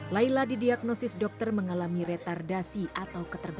layla didiagnosis dokter mengalami retardasi atau keterminan